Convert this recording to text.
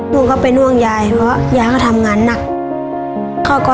ก็เป็นห่วงยายเพราะยายก็ทำงานหนัก